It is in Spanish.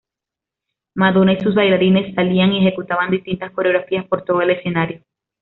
Madonna y sus bailarines salían y ejecutaban distintas coreografías por todo el escenario.